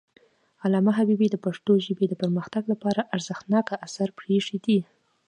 علامه حبيبي د پښتو ژبې د پرمختګ لپاره ارزښتناک آثار پریښي دي.